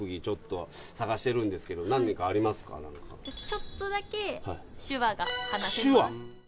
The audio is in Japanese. ちょっとだけ手話が話せます手話？